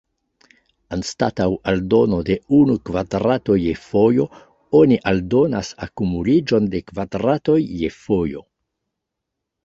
Anstataŭ aldono de unu kvadrato je fojo, oni aldonas akumuliĝon de kvadratoj je fojo.